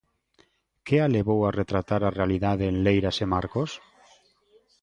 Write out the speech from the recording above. Que a levou a retratar a realidade en Leiras e Marcos?